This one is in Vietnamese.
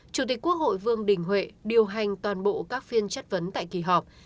chủ tịch quốc hội vương đình huệ điều hành toàn bộ các phiên chất vấn tại kỳ họp